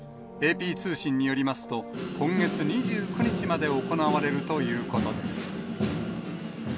ＡＰ通信によりますと、今月２９日まで行われるということです。